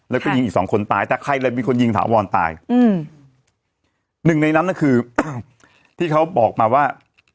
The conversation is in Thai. แล้วก็ยิงอีกสองคนตายแต่ใครเลยเป็นคนยิงถาวรตายอืมหนึ่งในนั้นน่ะคืออ้าวที่เขาบอกมาว่า